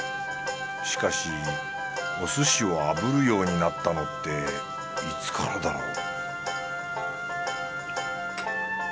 しかしお寿司を炙るようになったのっていつからだろう？